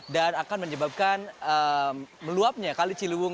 dan akan menyebabkan meluapnya kali ciliwung